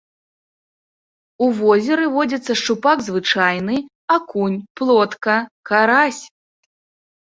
У возеры водзяцца шчупак звычайны, акунь, плотка, карась.